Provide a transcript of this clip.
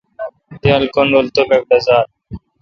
دییال کّن رل توبَک ڈزال۔